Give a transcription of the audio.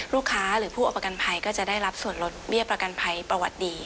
หรือผู้เอาประกันภัยก็จะได้รับส่วนลดเบี้ยประกันภัยประวัติดี